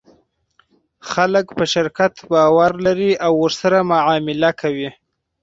خلک په شرکت باور لري او ورسره معامله کوي.